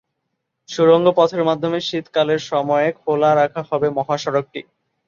সুড়ঙ্গ পথের মধ্যমে শীতকালের সময়ে খোলা রাখা হবে মহাসড়কটি।